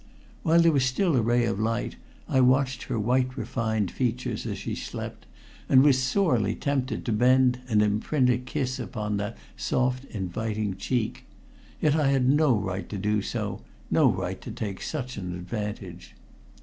While there was still a ray of light I watched her white refined features as she slept, and was sorely tempted to bend and imprint a kiss upon that soft inviting cheek. Yet I had no right to do so no right to take such an advantage.